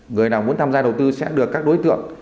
người nào muốn tham gia đầu tư sẽ được các đối tượng